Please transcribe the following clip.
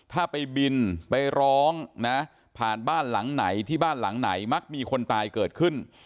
ถ้าไปบินไปร้องนะผ่านบ้านหลังไหนที่บ้านหลังไหนมักมีคนตายเกิดขึ้น